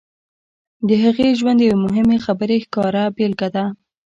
د هغې ژوند د یوې مهمې خبرې ښکاره بېلګه ده